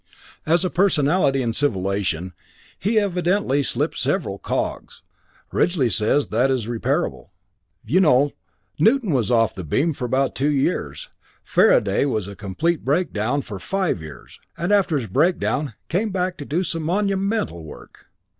As a personality in civilization, he'd evidently slipped several cogs. Ridgely says that is reparable. "You know, Newton was off the beam for about two years. Faraday was in a complete breakdown for nearly five years and after his breakdown, came back to do some monumental work.